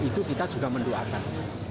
itu kita juga mendoakan